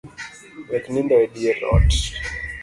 Wek nindo edier ot